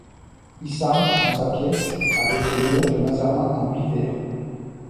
Isarn, dans sa pièce, avait fait l’éloge de Mazarin en huit vers.